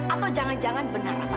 atau jangan jangan benar apa kata mama